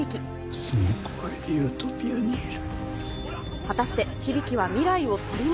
その子はユートピアにいる。